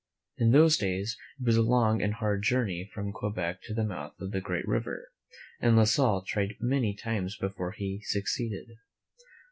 In those days it was a long and hard journey from Quebec to the mouth of the Great River, and La Salle tried many times before he succeeded.